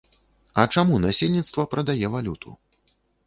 А чаму насельніцтва прадае валюту?